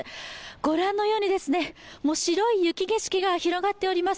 ご覧のように白い雪景色が広がっております。